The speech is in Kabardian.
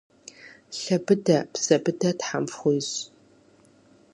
Лъэ быдэ, псэ быдэ Тхьэм фхуищӏ!